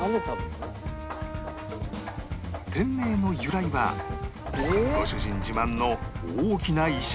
店名の由来はご主人自慢の大きな石釜オーブン